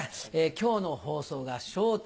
今日の放送が『笑点』